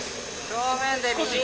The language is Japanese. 正面で右！